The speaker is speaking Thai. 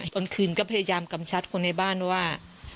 ตอนคืนก็พยายามกำชัดคนในบ้านว่า